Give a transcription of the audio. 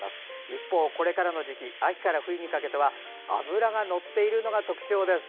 一方これからの時期秋から冬にかけては脂がのっているのが特徴です。